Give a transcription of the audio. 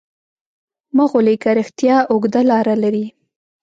مه غولېږه، رښتیا اوږده لاره لري.